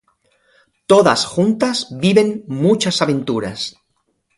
Todas juntas viven muchas aventuras.